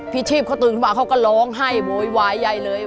ชีพเขาตื่นขึ้นมาเขาก็ร้องไห้โวยวายใหญ่เลย